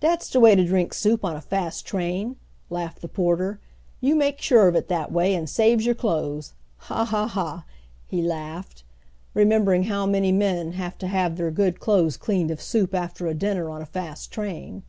"Dat's de way to drink soup on a fast train," laughed the porter. "You makes sure of it dat way, and saves your clothes. Ha! ha! ha!" he laughed, remembering how many men have to have their good clothes cleaned of soup after a dinner on a fast train.